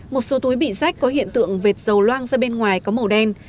một số túi bị rách có hiện tượng vệt dầu loang ra bên ngoài có màu đen